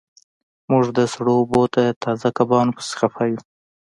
موږ د سړو اوبو د تازه کبانو پسې خفه یو